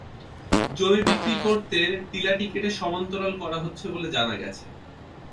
জমি বিক্রি করতে টিলাটি কেটে সমান্তরাল করা হচ্ছে বলে জানা গেছে।